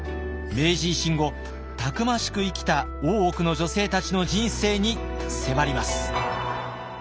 明治維新後たくましく生きた大奥の女性たちの人生に迫ります。